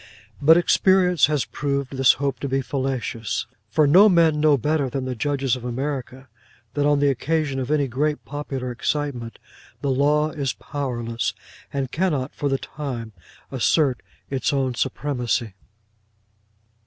But experience has proved this hope to be fallacious; for no men know better than the judges of America, that on the occasion of any great popular excitement the law is powerless, and cannot, for the time, assert its own supremacy.